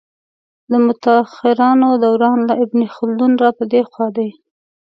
د متاخرانو دوران له ابن خلدون را په دې خوا دی.